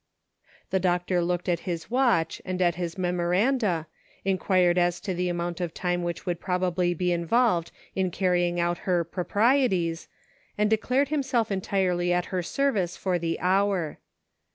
The doctor looked at his watch and at his memo randa, inquired as to the amount of time which would probably be involved in carrying out her " pro prieties," and declared himself entirely at her ser vice for the hour.